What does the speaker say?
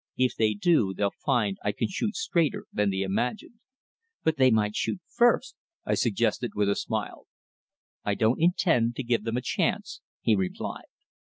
If they do they'll find I can shoot straighter than they imagined." "But they might shoot first," I suggested with a smile. "I don't intend to give them a chance," he replied.